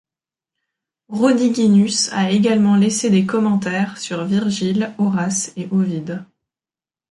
Rhodiginus a également laissé des commentaires sur Virgile, Horace et Ovide.